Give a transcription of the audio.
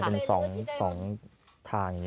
นี่มันเป็น๒ทาง